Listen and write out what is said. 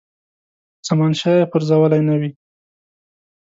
زمانشاه یې پرزولی نه وي.